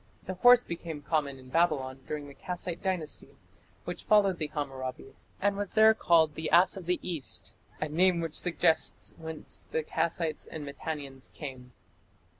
The horse became common in Babylon during the Kassite Dynasty, which followed the Hammurabi, and was there called "the ass of the east", a name which suggests whence the Kassites and Mitannians came.